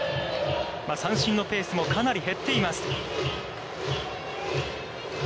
三振のペースもかなり減っています。